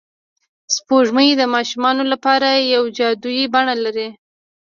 سپوږمۍ د ماشومانو لپاره یوه جادويي بڼه لري